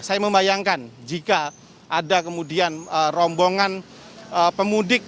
saya membayangkan jika ada kemudian rombongan pemudik